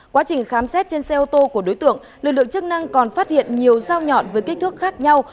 quá trình khám xét trên xe ô tô của đối tượng lực lượng chức năng còn phát hiện nhiều sao nhọn với kích thước khác nhau